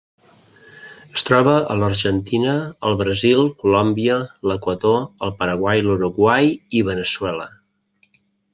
Es troba a l'Argentina, el Brasil, Colòmbia, l'Equador, el Paraguai, l'Uruguai i Veneçuela.